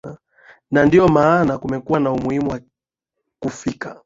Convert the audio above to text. na ndio maana kumekuwa na umuhimu wa kufika